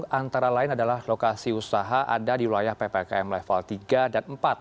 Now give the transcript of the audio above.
antara lain adalah lokasi usaha ada di wilayah ppkm level tiga dan empat